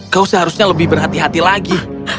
kau seharusnya lebih berhati hati lagi